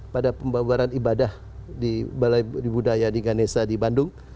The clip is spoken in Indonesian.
pada pembawaran ibadah di balai budaya di ganesa di bandung